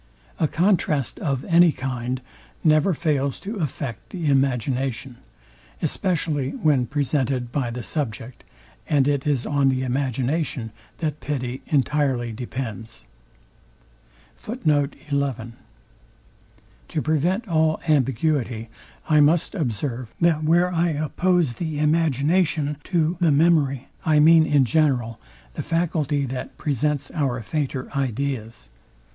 A contrast of any kind never fails to affect the imagination, especially when presented by the subject; and it is on the imagination that pity entirely depends. To prevent all ambiguity, I must observe, that where I oppose the imagination to the memory, I mean in general the faculty that presents our fainter ideas.